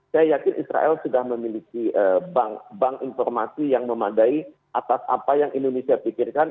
saya yakin israel sudah memiliki bank informasi yang memadai atas apa yang indonesia pikirkan